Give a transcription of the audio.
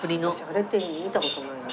あれって見た事ないな